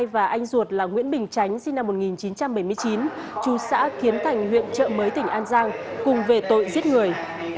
và anh ruột là nguyễn bình tránh sinh năm một nghìn chín trăm bảy mươi chín chú xã kiến thành huyện trợ mới tỉnh an giang cùng về tội giết người